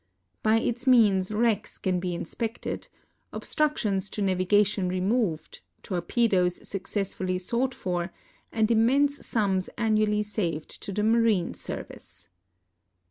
By its means wrecks can be inspected, obstructions to navigation removed, torpedoes suc cessfully sought for, and immense sums annually saved to the marine service.